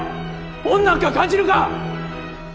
恩なんか感じるか！